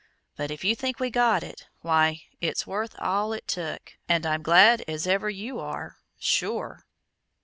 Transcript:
But if you think we got it, why, it's worth all it took, and I'm glad as ever you are, sure!"